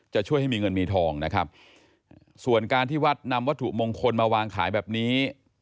จะช่วยให้มีเงินมีทองนะครับส่วนการที่วัดนำวัตถุมงคลมาวางขายแบบนี้